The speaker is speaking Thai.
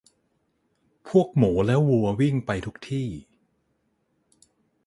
พวกหมูและวัววิ่งไปทุกที่